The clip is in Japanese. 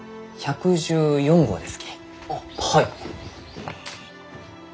あっはい。